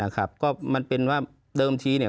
ครับก็มันเป็นว่าเดิมทีเนี่ย